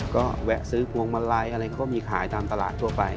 ก็แวะซื้อพวงมาลัยอะไรก็มีขายตามตลาดทั่วไป